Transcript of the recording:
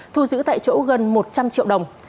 thu giữ tại chỗ gần một trăm linh triệu đồng